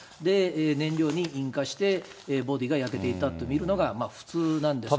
燃料に引火して、ボディーが焼けていたって見るのが普通なんですね。